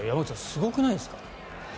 すごくないですか。